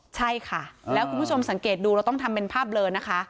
ใช่ค่ะแล้วคุณผู้ชมสังเกตดูเราต้องทำเป็นภาพเลอนะคะ